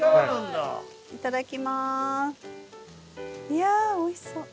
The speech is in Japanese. いやあおいしそう。